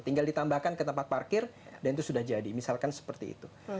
tinggal ditambahkan ke tempat parkir dan itu sudah jadi misalkan seperti itu